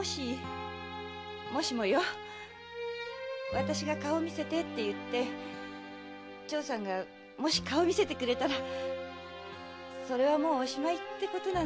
私が顔を見せてって言って長さんが顔を見せくれたらそれはもうおしまいってことなのかな。